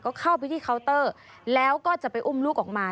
ก็เข้าไปที่เคาน์เตอร์แล้วก็จะไปอุ้มลูกออกมา